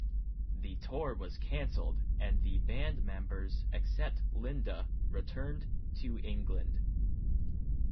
The tour was cancelled and the band members, except Linda, returned to England.